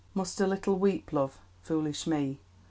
Must a little weep, Love, (Foolish me!)